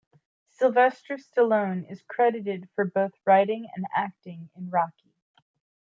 Sylvester Stallone is credited for both writing and acting in "Rocky".